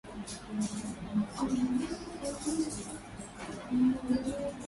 Lakini alikabiliwa na shutuma kwa kuwazima wapinzani wake